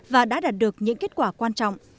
và đã đạt được những kết quả quan trọng